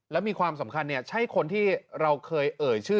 แล้วมีความสำคัญใช่คนที่เราเคยเอ่ยชื่อ